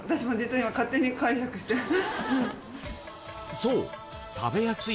［そう］